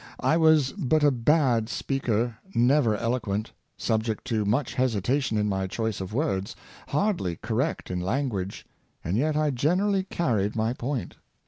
I was but a bad speaker, never eloquent, subject to much hesitation in my choice of words, hardly correct in language, and yet I gener ally carried my point."